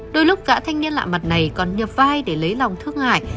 đôi lúc cả thanh niên lạ mặt này còn nhập vai để lấy lòng thương ngại